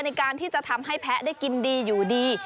ในการที่จะทำให้แพ้ได้กินดีอยู่ดี